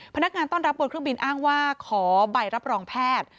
พนักงานต้อนรับบนเครื่องบินอ้างว่าขอใบรับรองแพทย์